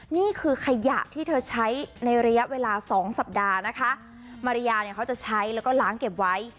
นี่คือขยะที่เธอใช้ในระยะเวลาสองสัปดาห์นะคะมาริยาเนี่ยเขาจะใช้แล้วก็ล้างเก็บไว้